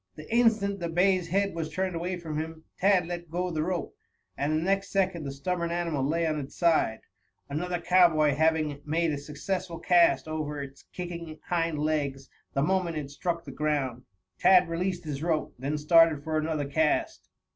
The instant the bay's head was turned away from him Tad let go the rope, and the next second the stubborn animal lay on its side, another cowboy having made a successful cast over its kicking hind legs the moment it struck the ground. Tad released his rope, then started for another cast.